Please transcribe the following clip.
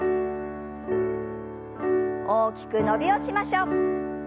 大きく伸びをしましょう。